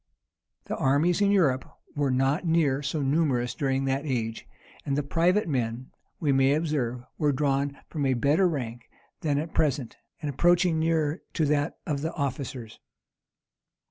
The armies in Europe were not near so numerous during that age; and the private men, we may observe, were drawn from a better rank than at present, and approaching nearer to that of the officers.